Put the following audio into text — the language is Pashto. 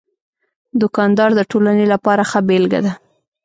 دوکاندار د ټولنې لپاره ښه بېلګه ده.